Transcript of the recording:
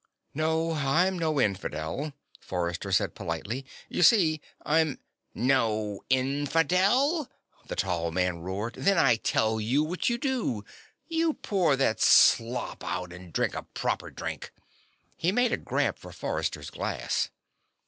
"No, I'm no infidel," Forrester said politely. "You see, I'm " "No infidel?" the tall man roared. "Then I tell you what you do. You pour that slop out and drink a proper drink." He made a grab for Forrester's glass.